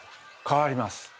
変わります。